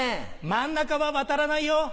真ん中は渡らないよ。